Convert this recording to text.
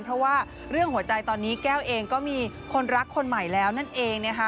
เพราะว่าเรื่องหัวใจตอนนี้แก้วเองก็มีคนรักคนใหม่แล้วนั่นเองนะคะ